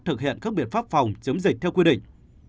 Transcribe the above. thực hiện các biện pháp phòng chống dịch theo quy định